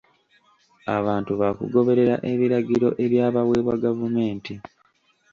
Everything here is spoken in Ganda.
Abantu baakugoberera ebiragiro ebyabawebwa gavumenti.